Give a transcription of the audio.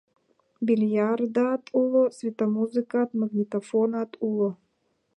Бильярдат уло, светомузыкат, магнитофонат уло.